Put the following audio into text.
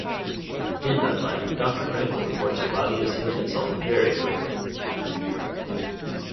In Medlab, Doctor Franklin reports her body is healing itself very quickly.